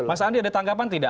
masa andi ada tangkapan tidak